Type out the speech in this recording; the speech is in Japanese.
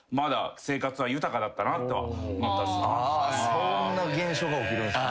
そんな現象が起きるんすね。